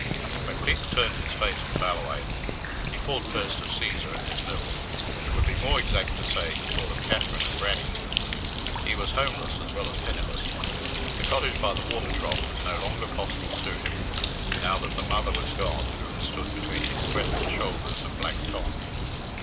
When Pete turned his face from Ballawhaine, he thought first of Cæsar and his mill. It would be more exact to say he thought of Katherine and Grannie. He was homeless as well as penniless. The cottage by the water trough was no longer possible to him, now that the mother was gone who had stood between his threatened shoulders and Black Tom.